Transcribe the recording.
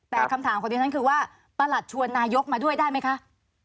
แต่คำถามของดิฉันคือว่าประหลัดชวนนายกมาด้วยได้ไหมคะ